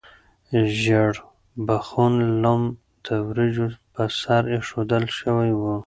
ژیړبخون لم د وریجو په سر ایښودل شوی و.